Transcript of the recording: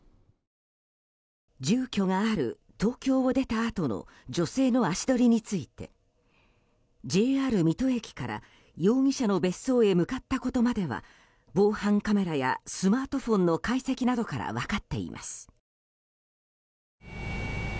住居がある東京を出たあとの女性の足取りについてはＪＲ水戸駅から容疑者の別荘へ向かったことまでは防犯カメラやスマートフォンの解析などから分かっています。